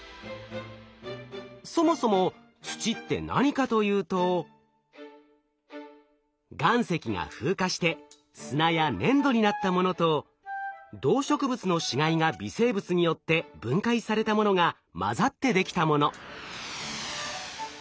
そもそも土って何かというと岩石が風化して砂や粘土になったものと動植物の死骸が微生物によって分解されたものが混ざってできたもの。